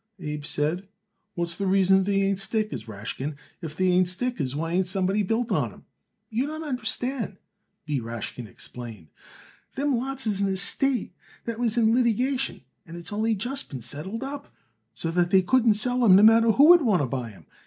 Abe said. "What's the reason they ain't stickers, Rashkin? If they ain't stickers why ain't somebody built on 'em?" "You don't understand," B. Rashkin explained. "Them lots is an estate that was in litigation, and it's only just been settled up; so that they couldn't sell 'em no matter who would want to buy 'em.